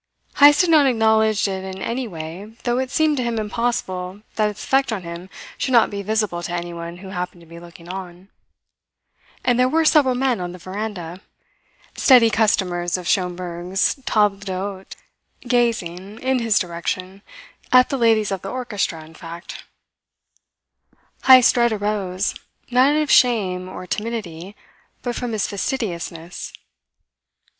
Heyst had not acknowledged it in any way, though it seemed to him impossible that its effect on him should not be visible to anyone who happened to be looking on. And there were several men on the veranda, steady customers of Schomberg's table d'hote, gazing in his direction at the ladies of the orchestra, in fact. Heyst's dread arose, not out of shame or timidity, but from his fastidiousness.